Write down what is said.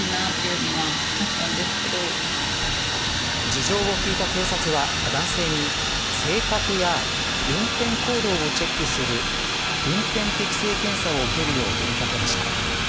事情を聴いた警察は男性に、性格や運転行動をチェックする運転適性検査を受けるよう呼び掛けました。